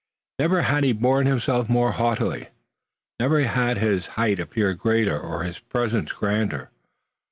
Never had he borne himself more haughtily, never had his height appeared greater or his presence grander.